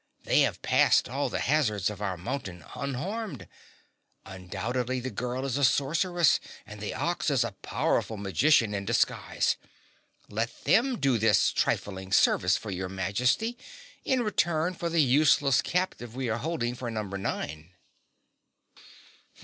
They have passed all the hazards of our mountain unharmed. Undoubtedly the girl is a sorceress and the Ox a powerful magician in disguise. Let them do this trifling service for your Majesty in return for the useless captive we are holding for Number Nine."